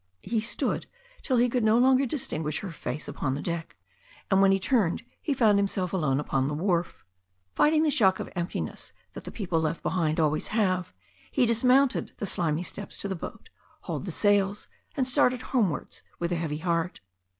He stood till he could no longer distinguish her face upon the deck, and when he turned he found himself alone upon the wharf. Fighting the shock of emptiness that the people left be hind always have, he dismounted the slimy steps to the boat, hauled the sails, and started homewards with a heavy heart.